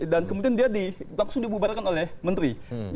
dan kemudian dia langsung dibubarkan oleh menteri